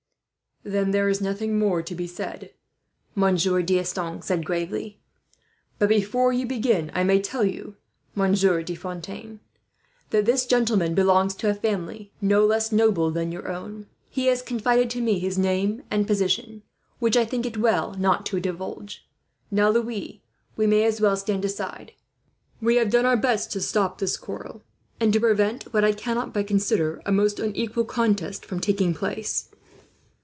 "Then there is nothing more to be said," Monsieur D'Estanges said gravely; "but before you begin, I may tell you, Monsieur de Fontaine, that this gentleman belongs to a family no less noble than your own. He has confided to me his name and position, which I think it as well not to divulge. "Now, Louis, we may as well stand aside. We have done our best to stop this quarrel, and to prevent what I cannot but consider a most unequal contest from taking place."